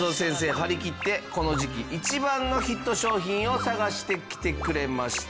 張りきってこの時期一番のヒット商品を探してきてくれました。